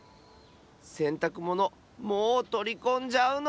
せんたくものもうとりこんじゃうの？